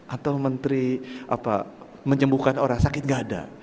atau menteri menyembuhkan orang sakit gak ada